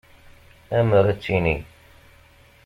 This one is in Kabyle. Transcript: Amer ad tini.